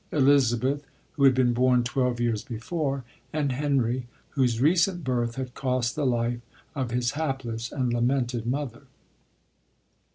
Elizabeth, who had been born twelve years before, and Henry, whose recent birth had cost the life of his hapless and lamented mother.